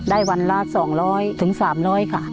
ได้วันลาดสองร้อยถึงสามร้อยค่ะ